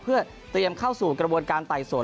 เพื่อเตรียมเข้าสู่กระบวนการไต่สวน